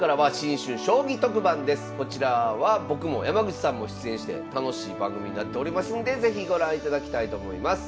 こちらは僕も山口さんも出演して楽しい番組になっておりますんで是非ご覧いただきたいと思います。